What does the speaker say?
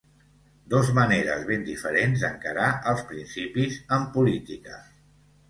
Dos maneres ben diferents d'encarar els principis en política.